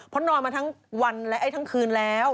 เพราะนอนมาทั้งวันและทั้งคืนแล้ว